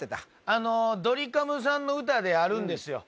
あのドリカムさんの歌であるんですよ